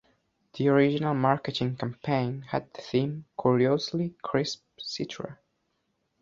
The original marketing campaign had the theme "Curiously crisp Citra".